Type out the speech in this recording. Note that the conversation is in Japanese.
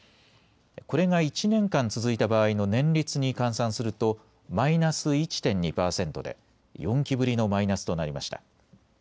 これが１年間続いた場合の年率に換算するとマイナス１．２％で４期ぶりのマイナスとなりました。